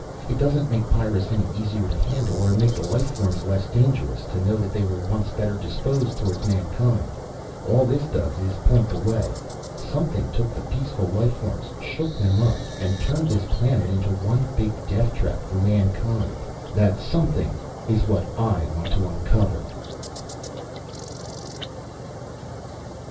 It doesn't make Pyrrus any easier to handle, or make the life forms less dangerous, to know that they were once better disposed towards mankind. All this does is point the way. Something took the peaceful life forms, shook them up, and turned this planet into one big deathtrap for mankind. That something is what I want to uncover."